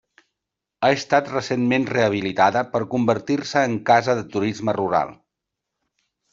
Ha estat recentment rehabilitada per convertir-se en casa de turisme rural.